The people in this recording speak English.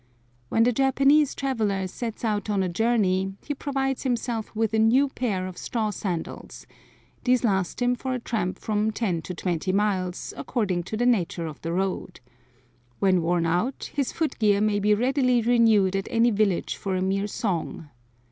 When the Japanese traveller sets out on a journey, he provides himself with a new pair of straw sandals; these last him for a tramp of from ten to twenty miles, according to the nature of the road. When worn out, his foot gear may be readily renewed at any village for a mere song.